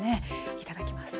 いただきます。